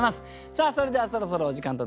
さあそれではそろそろお時間となりました。